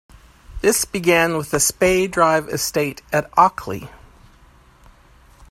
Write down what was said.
This began with the Spey Drive Estate, at Auckley.